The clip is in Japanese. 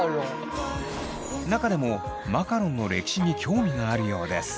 中でもマカロンの歴史に興味があるようです。